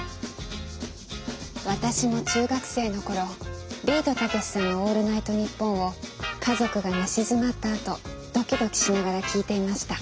私も中学生の頃ビートたけしさんの「オールナイトニッポン」を家族が寝静まったあとドキドキしながら聴いていました。